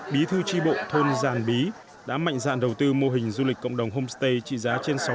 bí thư tri bộ thôn giàn bí đã mạnh dạn đầu tư mô hình du lịch cộng đồng homestay trị giá trên sáu mươi